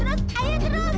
terus ayo terus